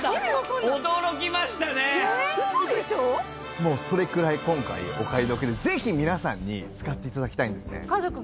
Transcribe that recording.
もうそれくらい今回お買い得でぜひ皆さんに使って頂きたいんですね。